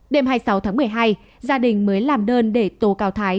đêm hai mươi sáu tháng một mươi hai gia đình mới làm đơn để tô cao thái